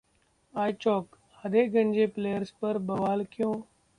iChowk: आधे गंजे players पर बवाल क्यों?